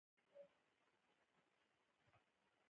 پښتو کتابونه باید چاپ سي.